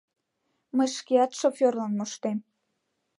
— Мый шкеат шоферлан моштем...